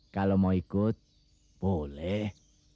kalau mau ikut boleh